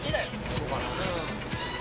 そうかな。